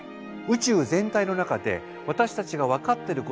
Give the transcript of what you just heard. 宇宙全体の中で私たちが分かってる